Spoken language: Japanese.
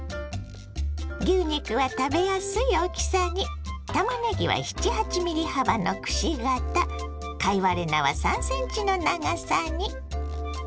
牛肉は食べやすい大きさにたまねぎは７８ｍｍ幅のくし形貝割れ菜は３ｃｍの長さに。